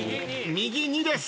右２です。